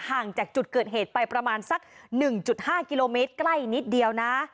ห่างจากจุดเกิดเหตุไปประมาณสัก๑๕กิโลเมตรใกล้นิดเดียวนะ